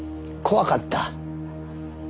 怖かった？